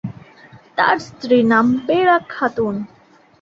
তার স্ত্রীর নাম বেলা খাতুন।